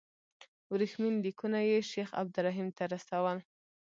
ورېښمین لیکونه یې شیخ عبدالرحیم ته رسول.